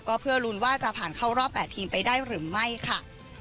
ก็เพื่อลุ้นว่าจะผ่านเข้ารอบ๘ทีมไปได้หรือไม่ค่ะ